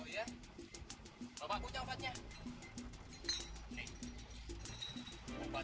ya pak betul oh ya